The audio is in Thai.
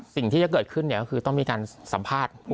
สิ่งที่จะเกิดขึ้นก็คือต้องมีการสัมภาษณ์